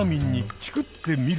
「チクってみる」。